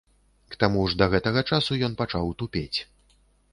К таму ж да гэтага часу ён пачаў тупець.